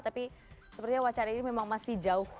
tapi wacara ini memang masih jauh